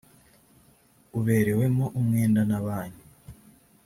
uberewemo umwenda na banki.